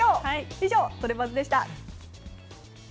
以上、トレバズでした。